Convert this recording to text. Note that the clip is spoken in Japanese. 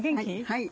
はい。